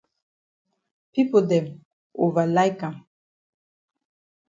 Pipo dem ova like am.